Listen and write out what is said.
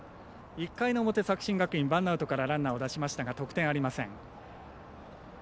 １回の表作新学院、ワンアウトからランナー出しましたが得点ありません。